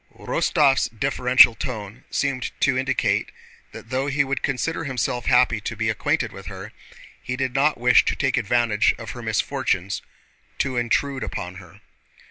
Rostóv's deferential tone seemed to indicate that though he would consider himself happy to be acquainted with her, he did not wish to take advantage of her misfortunes to intrude upon her.